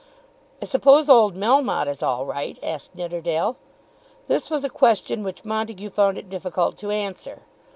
"I suppose old Melmotte is all right?" asked Nidderdale. This was a question which Montague found it difficult to answer.